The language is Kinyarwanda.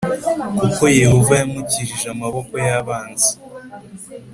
kuko Yehova yamukijije amaboko y abanzi